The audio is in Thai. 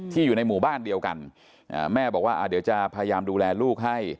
อยู่ในหมู่บ้านเดียวกันแม่บอกว่าเดี๋ยวจะพยายามดูแลลูกให้